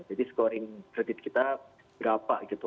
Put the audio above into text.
jadi scoring kredit kita berapa gitu